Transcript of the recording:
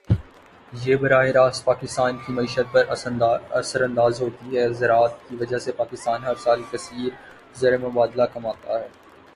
یہ براہِ راست پاکستان کی معیشت پر اثر اندازہوتی ہے۔ زراعت کی وجہ سے پاکستان ہر سال کثیر زرمبادلہ کماتا ہے.